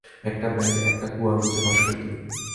একটি ব্যাঙ একটি কুয়ার মধ্যে বাস করিত।